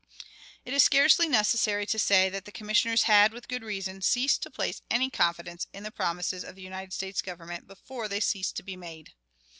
It is scarcely necessary to say that the Commissioners had, with good reason, ceased to place any confidence in the promises of the United States Government, before they ceased to be made.